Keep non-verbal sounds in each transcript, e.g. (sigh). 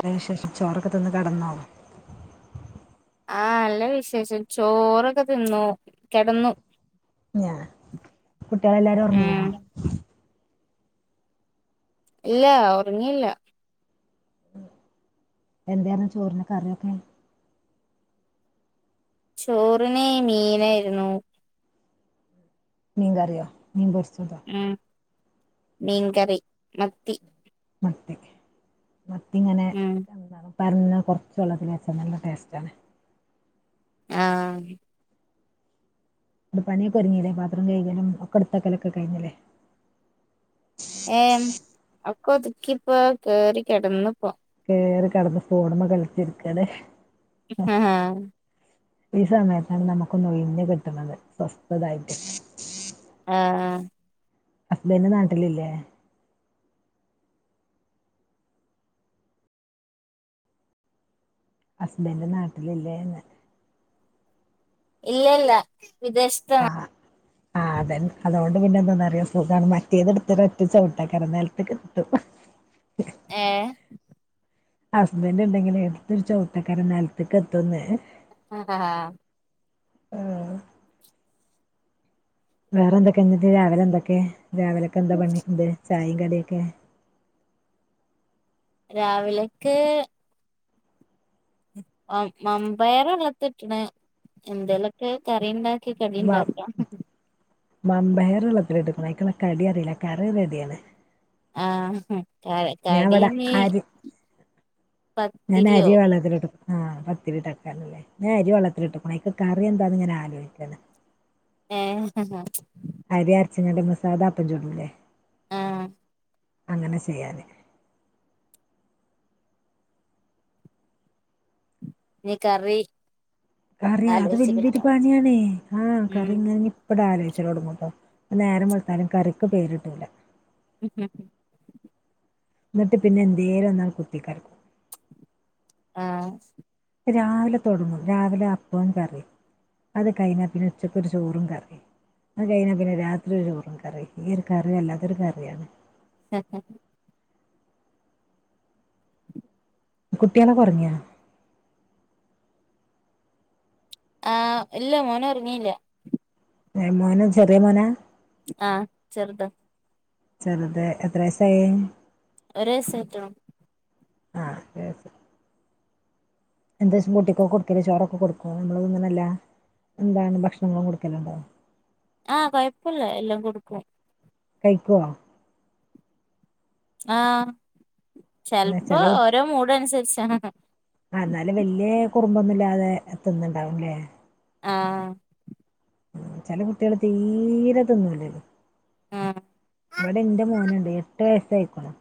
അതിനുശേഷം ചോറൊക്കെ തിന്ന് കിടന്നോ? ആഹ് നല്ല വിശേഷം ചോറൊക്കെ തിന്നു കെടന്നു. ഞാകുട്ടികളെല്ലാരും ഒറങ്ങ്യാ? ഉം ഇല്ല ഒറങ്ങീല്ല. എന്തായിരുന്നു ചോറിന് കറിയോ ക്കെ? ചോറിന് മീനേയിരുന്നു. മീൻക്കറിയോ മീൻ പൊരിച്ചതോ? ഉം മീൻ കറി മത്തി. മത്തി മത്തിങ്ങനെ ഉം പ (unintelligible) കൊറച്ച് വെള്ളത്തി വെച്ചാൽ നല്ല ടേസ്റ്റ ആണ്. ആഹ് പണിയക്കെ ഒരിങ്ങില്ലേ പാത്രം കഴ്കലും ഒക്കെ ഇട് ത്തക്കലൊക്കെ കഴിഞ്ഞില്ലേ? ഏഹ് അക്കൊതുക്കിപ്പോ കേറി കെടന്ന്പോ. കേറി കെടന്ന് ഫോണ് മ്മ കളിച്ചിരിക്കലെ? ആഹ്. ഈ സമയത്താണ് നമുക്കൊന്ന് ഒയിഞ് കിട്ടണത് സ്വസ്ഥതായിട്ട്. ആഹ്. ഹസ്ബന്റ് നാട്ടിലില്ലേ? ഹസ്ബൻഡ് നാട്ടിലില്ലേന്ന്? ഇല്ലേ ല്ല വിദേശത്താണ്. ആഹ്തെൻ അതൊണ്ട് പിന്നെന്തന്നറിയോ സുഖാണ് മറ്റേത് ട്ത്ത് രോറ്റ ചൗട്ടാക്കാരം നൽത്ത് ക്കെത്തും. ഏഹ് ഹസ്ബൻഡ് ഉണ്ടെങ്കിലെ എടുത്തരു ചൗട്ടാക്കാരം നൽത്ത്ക്ക് എത്തുന്നേ. ആഹ് ആഹ് ആഹ് ഓ.. വേറെ എന്തൊക്കെ ന്ന്ന്ത് രാവിലെ എന്തൊക്കെ രാവിലൊക്കെ എന്താ പണി ന്തേ ചായിംകടിയൊക്കെ? രാവിലക്ക് മമ്പയറള്ളത്തിട്ട്ണ് എന്തേലൊക്കെ കറിണ്ട വ മാമ്പയറള്ളത്തിലിട്ട്ണ് അയ്ക്ക് ള്ള കടി അറീല്ല കറി റെഡിയാണ്. ഞാൻ ഇവിടെ ആഹ്കടീനി അരി പത്തിരിയോ ആ പത്തിരി ഇട്ടക്കാനല്ലേ ഞാ അരി വെള്ളത്തിലിട്ട്ക്ക്ണു അയിക്ക് കറി എന്താന്ന് ഞാ ആലോയിക്കാണ്. ഏഹ്- അരി അരച്ച് ങ്ങാണ്ട് മ്മള് സാധ അപ്പം ചൂട്ടുല്ലേ? ആഹ്. അങ്ങനെ ചെയ്യാന്. ഇനി കറി കറിയ അത് ആലോചിച്ച് വല്യൊരു കിട്ടണം പാണിയണേ ആഹ് ഉം കറിങ്ങാന് പ്പട്ട് ആലോയ്ച ലോടങ്ങുട്ടോ നേരം വെൾത്താലും കറിക്ക് പേര്ട്ടൂല്ല. (unintelligible) ന്നിട്ട് പിന്നെ എന്തേ ലോന്നാണ്ട് കുത്തികൽക്കും. ആഹ് രാവിലെ തൊടങ്ങും രാവിലെ അപ്പോം കറിം അത് കഴിഞ്ഞാൽ പിന്നെ ഉച്ചക്ക് ഒരു ചോറും കറി അത് കഴിഞ്ഞാൽ പിന്നെ രാത്രി ഒരു കറി ഈ ഒരു കറി അല്ലാത്തൊരു കറിയാണ് (inaudible) കുട്ട്യാളൊക്കെ ഒറങ്ങിയോ ആഹ് ഇല്ല മോന് ഒറങ്ങില്ല എ മോന് ചെറിയ മോനാ ആഹ് ചെറുത് ചെറുത് എത്ര വയസായി ഒരൈസായിട്ടുള്ളു ആഹ് (unintelligible) എന്താ ജ് കുട്ടി കൊക്കെ കൊട്ക്കല് ചോറൊക്കെ കൊടുക്കോ നമ്മൾ എല്ലാ എന്താണ് ഭക്ഷണങ്ങളും കൊടുക്കല്ണ്ടോ ആഹ് കൊഴപ്പില്ല എല്ലാം കൊടുക്കും. കൈക്കോ ആഹ് പിന്നെ ചെൽപ്പോ ചെല ഓരോ മൂഡ് അന്സരിച്ചാ. ആഹ് എന്നാലും വല്യ കുറുമ്പൊന്നുല്ലാതെ തിന്നുണ്ടാവുംല്ലേ. ആഹ്. ചെല കുട്ടിയൾ തീരെ തിന്നുലല്ലോ ആ ഇവിടെ എന്റെ മോനുണ്ട് എട്ടുവയസ്സയിക്ക്ണു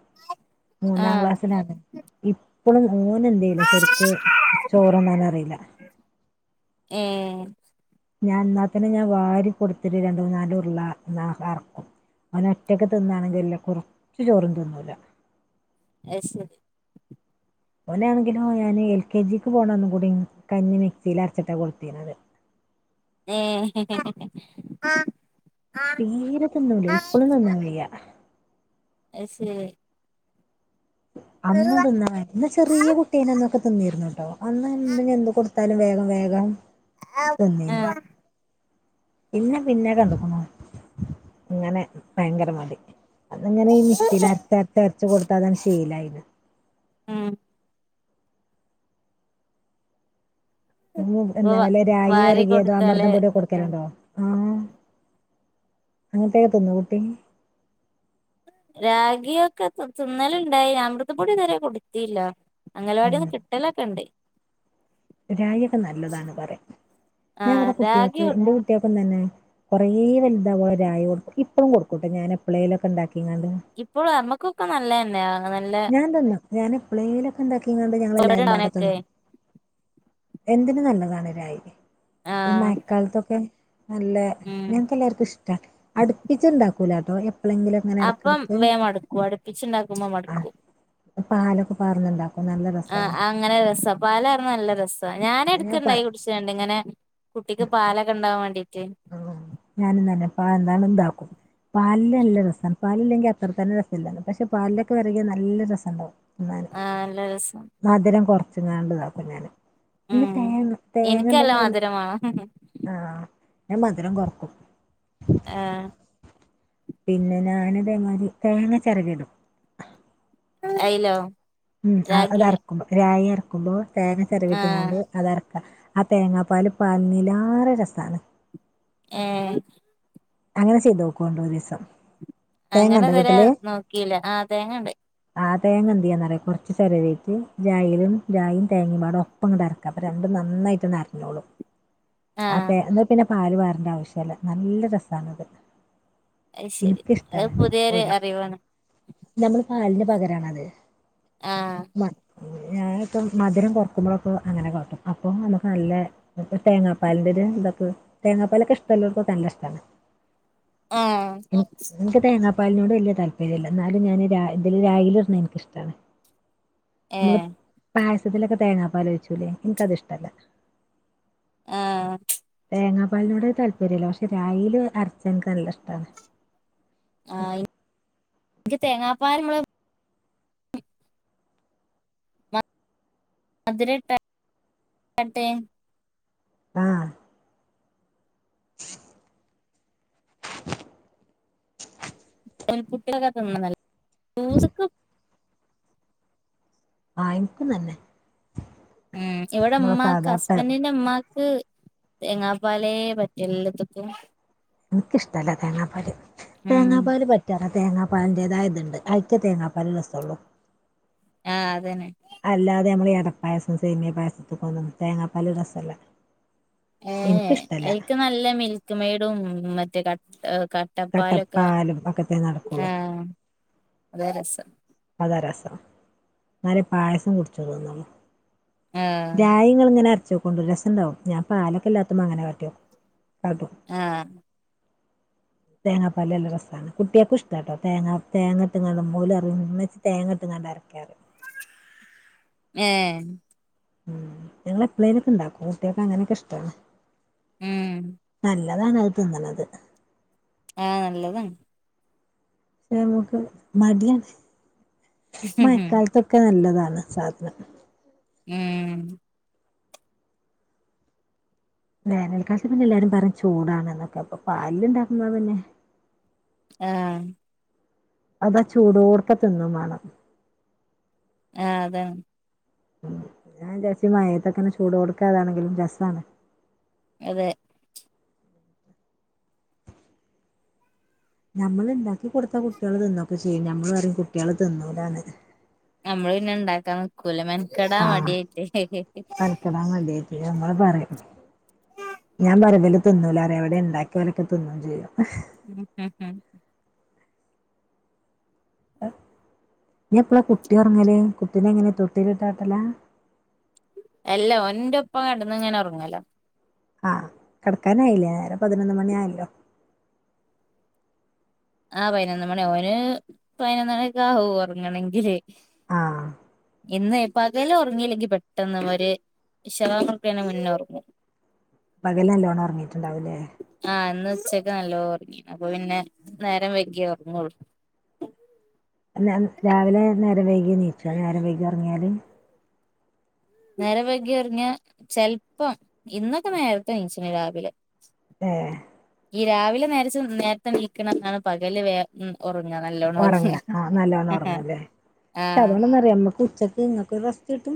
ആ മൂന്നാം ക്ലാസ്സിലാണ്. ഇപ്പളും ഓന് എന്തെയ്യുല്ല ശെരിക്ക് ചോർന്നാൻ അറിയുല. ഏഹ്. ഞാൻ ഇന്നാത്തന്നെ ഞാൻ വാരി കൊടുത്തിട്ട് രണ്ട് മൂന്നാലുർള എന്നാ എർക്കും. അവന് ഒറ്റക്ക് തിന്നാണെങ്കി എല്ലാം ക കൊറച്ച് ചോറും തിന്നൂല്ല. അയ് ശെരി. ഓനാണെങ്കിലോ ഞാൻ എൽ കെ ജിക്ക് പോണംന്നും കൂടി കഞ്ഞി മിക്സിൽ അരച്ചിട്ടാണ് കൊട്ത്തിനത്. (unintelligible) തീരെ തിന്നൂല്ല്യ ഇപ്പൊളും തിന്നുന്നില്ല. അയ്‌സെരി അന്ന് തിന്നാന് അന്ന് ചെറിയ കുട്ടിയായ്നന്നൊക്കെ തിന്നിരുന്നു കട്ടോ അന്ന് എന്ത എന്ത് കൊടു. ത്താലും വേഗം വേഗം ആ തിന്നിന്. ഉം പിന്നെ പിന്നെ കണ്ട്ക്ണു ഇങ്ങനെ ഭയങ്കര മടി. അന്നങ്ങനെ ഈ മിക്സിൽ അരച്ചച്ച് കൊടുത്തതൻ ശീലായിന്ന്. ഉം. ഉം എന്താ വല്ല രായി വാരി വെര്കിയതോ കൊടുത്താലേ അമൃതം പൊടിയോ ആ കൊടുക്കലുണ്ടോ ആഹ് അങ്ങൻത്തക്ക തിന്നോ കുട്ടി രാഗിയ ഒക്കെ തിന്നലുണ്ടായി അമൃതപ്പൊടി ഇതുവരെ കൊടുത്തില്ല. ഉം അംഗലവാടിയൊക്കെ കിട്ടലൊക്കെ ഇണ്ട്. രായി ഒക്കെ നല്ലതാണ് പറയാം ആ ഞാൻ ഇവിടെ രാഗി കുട്ടികൾക്ക് എന്റെ കുട്ടിയൾക്കും തന്നെ. കൊറേ വലുതാവോലു രായി കൊടുക്കും ഇപ്പഴും കൊടുക്കുട്ടൊ ഞാൻ എപ്പ്ളേങ്കിലൊക്കെ ഇണ്ടാക്കിങ്ങാണ്ട്. ഇപ്പോഴും അമ്മക്കൊക്കെ നല്ലതന്നെയാ. ഞാൻ തിന്നും ഞാൻ എപ്ളെയിലൊക്കെണ്ടാക്കിങ്ങാണ്ട് ഞങ്ങള് എല്ലാരും പാടെ അവനൊക്കെ തിന്നും. എന്തിന് നല്ലതാണ് രായി ആ ഈ മഴക്കാലത്തൊക്കെ നല്ല. ഉം ഞങ്ങക്ക് എല്ലാർക്കും ഇഷ്ട്ട അടുപ്പിച്ച് ഇണ്ടാക്കൂലട്ടോ എപ്പളങ്കിലൊക്കെ. അപ്പം വേ മട്ക്കൂ അടുപ്പിച്ചുണ്ടാക്കുമ്പോ ആഹ് മട്ക്കും. പാലൊക്കെ പാർന്നുണ്ടാക്കും നല്ല ആ രസാണ്. അങ്ങനെ രസ പാലാർന്ന നല്ല രസാ ഞാൻ പ ഞാനെടക്ക്ണ്ടായി കുടിച്ചൽണ്ട് ഇങ്ങനെ. കുട്ടിക്ക് പാലൊക്കെ ഇണ്ടാവാൻ വേണ്ടീട്ട്. ഉം ഞാനിന്നല്ലെ പാ എന്താലു ഇണ്ടാക്കും പാൽല് നല്ല രസാ. പാലില്ലെങ്കി അത്ര തന്നെ രസം ഇല്ലാ പക്ഷെ പാലിലൊക്കെ വെര്കിയാ നല്ല രസം ഇണ്ടാവും. ആഹ് നല്ല രസാ. മധുരം കൊർച്ച്ങ്ങാണ്ട്താക്കും ഞാന് ഈ ഉം തേങ്ങ തേങ്ങ എനിക്കല്ല ഇണ്ടെങ്കി പിന്നെ. മധുരം വേണം ആഹ് ഞാൻ മധുരം കൊർക്കും. ആഹ്. പിന്നെ ഞാൻതേമാതിരി തേങ്ങ ചെരകിടും. അയ്ലോ? ഉം അതരക്കുമ്പോ രായി അരക്കുമ്പോ തേങ്ങ ആ ചെരവിട്ട്ങ്ങാണ്ട്. അതരക്കാ ആ തേങ്ങാപ്പാൽ പാര്ന്നീലേറെ രസാണ്. ഏഹ്. അങ്ങനെ ചെയ്തോക്കോണ്ടു ഒരുസം. അങ്ങനെ ഇതരെ നോക്കിയില്ല ആതേങ്ങണ്ട്. ആ തേങ്ങ എന്തയ്യന്നറിയൊ കൊർച്ച് ചെരവീട്ട് രായിലും രായും തേങ്ങിം പാടെ ഒപ്പ അപ്പം അങ്ങട് അരക്കാ അപ്പോ രണ്ടും നന്നായിട്ടൊന്ന് അരഞ്ഞോളും ആ അതെ എന്നാ പിന്നെ പാല് പാറന്റെ ആവശ്യല്ല നല്ല രസണത് അത് ശരി അത് എനിക്കിഷ്ടാണ് പുതിയൊരു ഒരാ അറിവാണ് നമ്മള് പാലിന് പകരണത് ആ മ ഞാന ഇപ്പം മധുരം കുറക്കുമ്പോഴൊക്കെ അങ്ങനെ കാട്ടും അപ്പൊ നമുക്ക് നല്ല തേങ്ങ പാലിന്റെര് ഇതാക്കും തേങ്ങാപ്പാലൊക്കെ ഇഷ്ടല്ലോർക്ക് നല്ല ഇഷ്ടാണ് ആഹ്. എനിക്ക് തേങ്ങാപ്പാലിനോട് വലിയ താല്പര്യല്ല എന്നാലും ഞാൻ ഇതില് രാഗീലിടുന്നെനിക്കിഷ്ടാണ് (inaudible) നമ്മള് പായസത്തിലൊക്കെ തേങ്ങാപ്പാലെച്ചൂലേ എനിക്കത് ഇഷ്ടല്ല ആഹ് തേങ്ങാ പാലിനോട് താല്പര്യല്ല പക്ഷെ രാഗീല് അരച്ചനക്ക് നല്ല ഇഷ്ടാണ് ആ എനിക്ക് തേങ്ങാപ്പാരമ്മള അതിലിട്ട കട്ടെ ആഹ് (inaudible) ആ എനിക്കും നല്ലെ മ് ഇവിടെ ഉമ്മാക്ക് ഹസ്ബന്റിന്റെ ഉമ്മാക്ക് തേങ്ങാപ്പാലേ പറ്റൂല്ലത്തൊക്കും എനിക്കിഷ്ടല്ല തേങ്ങാപ്പാല് ഉം തേങ്ങാപ്പാല് പറ്റാ തേങ്ങാപ്പാലിൻ്റേതായത്ണ്ട് അയ്ക്കെ തേങ്ങാപ്പാൽ രസള്ളൂ ആ അതന്നെ അല്ലാതെ നമ്മള് എടപ്പായസം സേമീയപായസത്ത്ക്കൊന്നും തേങ്ങാപ്പാൽ രസല്ല ഏ എനിക്കിഷ്ടല്ല ഐക്ക് നല്ല മിൽക്ക്മെയ്ഡും മറ്റേ ക ക കട്ടപ്പാലൊക്കെ കട്ടപ്പാലും ഒക്കത്തെ ആ നടക്കുള്ളൂ അതാ രസം അതാ രസം എന്നാലേ പായസം കുടിച്ചു തോന്നുള്ളൂ ആ രായിങ്ങള് ഇങ്ങനെ അരച്ചോക്കൊണ്ട് രസൊണ്ടാവും ഞാൻ പാലൊക്കെ ഇല്ലാത്തമ്മം അങ്ങനെട്ടും കാട്ടും ആഹ് തേങ്ങാപ്പാലില് നല്ല രസാണ് കുട്ട്യാക്കുംഇഷ്ടാട്ടോ തേങ്ങ തേങ്ങാട്ടെങ്ങാണ്ട്നല്ലപോലെറങ്ങീ തേങ്ങട്ടങ്ങാണ്ട് അരക്കാറ് ഏഹ് മ് ഞങ്ങളെപ്പളേങ്കിലുണ്ടാക്കും കുട്ട്യാക്കങ്ങനെയൊക്കെ ഇഷ്ടാണ് ഉം നല്ല അതാണ് അത് തിന്നണത് ആ നല്ലതാണ് പെന്നെ നമുക്ക് മടിയാണ് മഴക്കാലത്തൊക്കെ നല്ലതാണ് സാധനം മ്മ് വേനൽ കാലത്ത് പിന്നെ എല്ലാരും പറയും ചൂടാണെന്നൊക്കെ അപ്പൊ പാലി ലുണ്ടാക്കുന്നന്നെ ആഹ് അതാ ചൂടോടുക്ക തിന്നോവേണം ആ അതാണ് ഞാൻ വിചാരിച്ചെ മഴത്തൊക്കെ ചൂടോടെക്കെ അതാണെങ്കിലും രസാണ് അതെ നമ്മളിണ്ടാക്കി കൊടുത്താ കുട്ടികള് തിന്നൊക്കെചെയ്യും ഞമ്മള് പറയും കുട്ടികള് തിന്നുലാന്ന് നമ്മള് പിന്നെ ഇണ്ടാക്കാൻ നിക്കൂല മെനക്കെടാൻ മടിയായിട്ടേ (unintelligible) പിന്നെ ഞമ്മള് പറയും ഞാൻപറയും ഇവല് തിന്നൂലാന്ന് ഇവിടെ ഉണ്ടാക്കിയോലൊക്കെ തിന്നോംചെയ്യും (unintelligible) ഞിയെപ്പളാ കുട്ടിഒറങ്ങല് കുട്ടിനെങ്ങനാ തൊട്ടിലിട്ടാട്ടലാ എല്ലാ ഓന്റൊപ്പം കെടന്നിങ്ങനെറൊങ്ങലാ ആ കെടക്കാനായില്ലേ നേരം പതിനൊന്നുമണിയായല്ലോ ആ പയിനൊന്നുമണിയാവും ഓന് പയിനൊന്നുമണിയൊക്കെയാവും ഒറങ്ങണെങ്കില് ആഹ് ഇന്ന് എപ്പ് പകല് ഒറങ്ങിയില്ലെങ്കി പെട്ടെന്നവര് ഇഷാവാങ്കുകൊടുക്കണീന്റെ മുന്നെയൊറങ്ങും പകലുനല്ലോണം ഒറങ്ങിട്ടുണ്ടാവൂല്ലേ ആ ഇന്നുച്ചക്കുനല്ലോം ഒറങ്ങി അപ്പൊ പിന്നെ നേരംവെകിയേ ഒറങ്ങൊള്ളൂ അല്ലാ രാവിലെ നേരം വൈകിയെനീച്ചാ നേരം വൈകിയൊറങ്ങിയാല് നേരം വൈകി ഒറങ്ങിയാ ചെൽപ്പം ഇന്നൊക്കെ നേരത്തെയെനീച്ചിന് രാവിലെ ഏ ഈ രാവിലെ നേരച്ചെന്ന് നേരത്തെനീക്കണന്നാണ് പകല് വേ ഉം ഒറങ്ങണല്ലോ ഒറങ്ങാ ആ നല്ലോണം ഒറങ്ങുവല്ലേ പക്ഷെ അതുകൊണ്ടന്നറിയൊ നമ്മക്ക് ഉച്ചക്ക് ഇങ്ങക്കൊരു റെസ്റ്റുകിട്ടും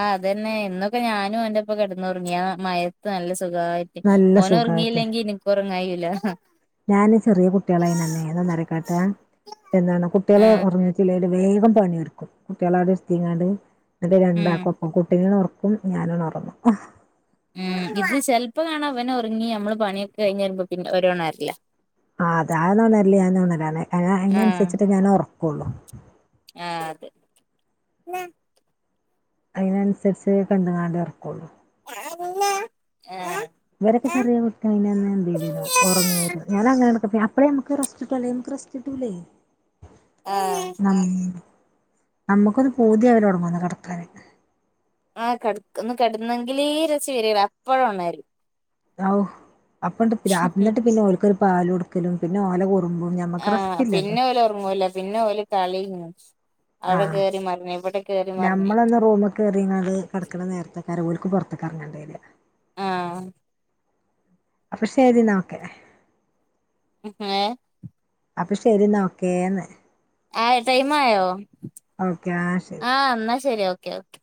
ആ അതന്നെ ഇന്നൊക്കെ ഞാനും ഓന്റൊപ്പം കെടന്നൊറങ്ങി ആ മയത്ത് നല്ലസുഖായിട്ട് നല്ല ഓന് സുഖായിട്ട് ഒറങ്ങിയില്ലെങ്കി എനക്കൊറങ്ങാൻ കയ്യൂലാ ഞാന് ചെറിയ കുട്ടിയളായൻറ്റെന്നേയ് എന്താന്നറിക്കാട്ടാ എന്താണ് കുട്ടിയാള് ആഹ് ഒറങ്ങി ചിലര് വേഗംപണിയൊരുക്കും കുട്ടിയാളവിടെ ഇരുത്തിങ്ങാണ്ട് എന്നിട്ട് ഉം രണ്ടാക്കൊപ്പം കുട്ടികളെ ഒറ അപ്പോൾ ഞാനൊന്നുറങ്ങും ഉം ഇത് ചെൽപ്പകാണാ അവനൊറങ്ങി അമ്മള് പണിയൊക്കെഴിഞ്ഞ് വരുമ്പോത്തിന് ഓര് ഒണരില്ലാ ആഹ് അതാണോ നല്ലെയാണോ ന്ന് അറിയാതെ അതിനനുസരിച്ചട്ട് ഞാൻ ഉറക്കോ ള്ളു ആ അതെ അയ്നനുസരിച്ച് കണ്ണുങ്ങാണ്ടൊർക്കൊള്ളൂ (unintelligible) (unintelligible) ഇവരൊക്കെ ചെറിയകുട്ടിയായിറ്റന്ന് ഞാൻ എന്തെയ്തീന്നു ഒറങ്ങീര്ന്നു ഞാനങ്ങനെനൊക്കെ അപ്പോഴേ നമുക്ക് റസ്റ്റ് തലേന്നൊക്കെ റെസ്റ്റ് കിട്ടൂലേയ് ആ ആ ഞമ്മക്കൊന്നു പൂതിയാവരോറങ്ങൂന്ന് കെടക്കാന് ആ കെടക്ക് ഒന്നുകെടന്നെങ്കിലേരസ്സിവരീര അപ്പോഴൊണരും ഹൗ അപ്പൊണ്ട്പ്രരാ ഇന്നട്ട്പിന്നെ ഓൽക്കൊരു പാലൊടുക്കലും പിന്നെഓലെ കു ആ പിന്നെ ഓലൊറങ്ങൂലാ പിന്നെഓല് കളിം അവിടെ ആഹ് കേറിമറിഞ്ഞ് ഇവിടെ കേറിമറിഞ്ഞ് കേറീങ്ങാണ്ട് കടക്കണനേരത്തെക്കാര ഓൽക്കു പൊറത്തക്കിറങ്ങേണ്ടിവരുക ആ അപ്പൊശെരിന്നാ ഓക്കെ ഹെ ഏ അപ്പൊ ശെരീന്നാ ഓക്കേന്ന് ആയോ ടൈമായോ ഓക്കെ ആ ശെരി ആ എന്നാശെരി ഓക്കെ ഓക്കേ